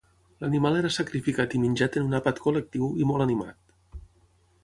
L'animal era sacrificat i menjat en un àpat col·lectiu i molt animat.